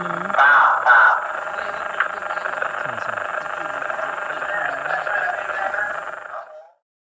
โปรดติดตามตอนต่อไป